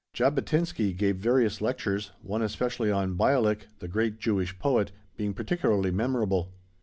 Jabotinsky gave various lectures, one especially on Bialik, the great Jewish poet, being particularly memorable.